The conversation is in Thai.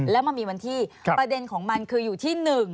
แล้วมันมีวันที่ประเด็นของมันคืออยู่ที่๑